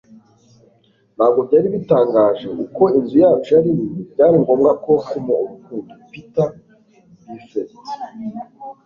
ntabwo byari bitangaje uko inzu yacu yari nini; byari ngombwa ko harimo urukundo. - peter buffett